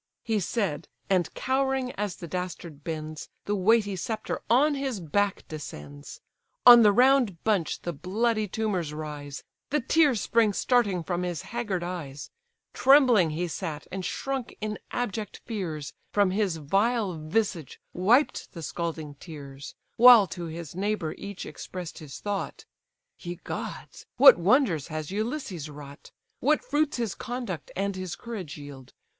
He said, and cowering as the dastard bends, The weighty sceptre on his back descends. On the round bunch the bloody tumours rise: The tears spring starting from his haggard eyes; Trembling he sat, and shrunk in abject fears, From his vile visage wiped the scalding tears; While to his neighbour each express'd his thought: "Ye gods! what wonders has Ulysses wrought! What fruits his conduct and his courage yield!